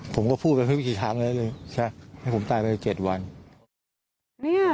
ผมก็พูดไปไม่มีทีทั้งเลยให้ผมตายภายใน๗วัน